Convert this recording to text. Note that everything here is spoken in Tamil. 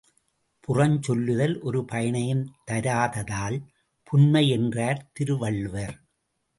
புறஞ்சொல்லுதல் ஒரு பயனையும் தராததால் புன்மை என்றார் திருவள்ளுவர்.